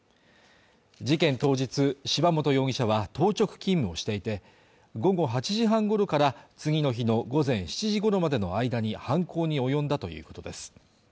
事件当日、柴本容疑者は当直勤務をしていて、午後８時半ごろから次の日の午前７時ごろまでの間に犯行に及んだということです。